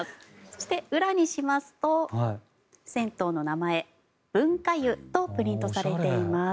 そして裏にしますと銭湯の名前、文化湯とプリントされています。